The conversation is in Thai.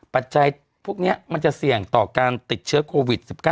ปัจจัยพวกนี้มันจะเสี่ยงต่อการติดเชื้อโควิด๑๙